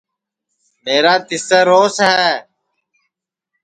میرا تِسسے روس ہے